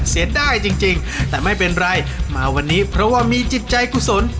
เสียดายจริงแต่ไม่เป็นไรมาวันนี้เพราะว่ามีจิตใจกุศล